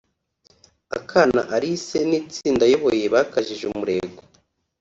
Akana Alice n’itsinda ayoboye bakajije umurego